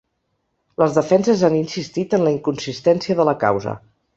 Les defenses han insistit en la inconsistència de la causa.